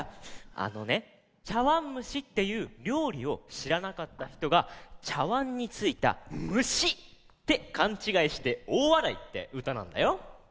あのね「ちゃわんむし」っていうりょうりをしらなかったひとがちゃわんについた「むし」ってかんちがいしておおわらいってうたなんだよ。